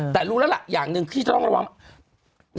แต่รู้แล้วล่ะอย่างหนึ่งพี่จะต้องระวัง